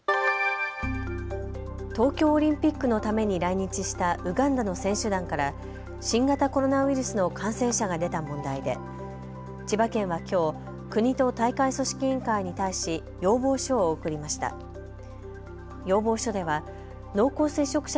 東京オリンピックのために来日したウガンダの選手団から新型コロナウイルスの感染者が出た問題で千葉県はきょう、国と大会組織委員会に対し要望書を送りました。